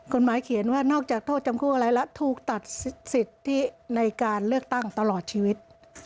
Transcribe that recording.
กฎหมายเขียนว่านอกจากโทษจำคุกอะไรแล้วถูกตัดสิทธิในการเลือกตั้งตลอดชีวิต